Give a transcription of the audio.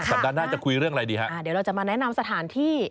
สัปดาห์หน้าจะคุยเรื่องอะไรดีฮะอ่าเดี๋ยวเราจะมาแนะนำสถานที่